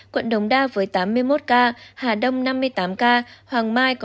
quận đồng đa với tám mươi một ca hà đông năm mươi tám ca